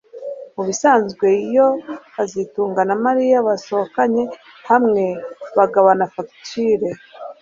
Mubisanzwe iyo kazitunga na Mariya basohokanye hamwe bagabana fagitire